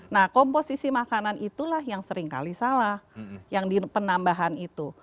nah komposisi makanan itulah yang seringkali salah yang di penambahan itu